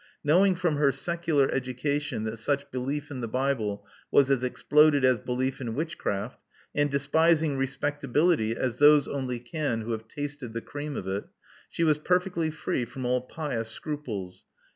Knowing from her secular education that such belief in the Bible was as exploded as belief in witchcraft, and despising respectability as those only can who have tasted the cream of it, she was perfectly free from all pious scruples.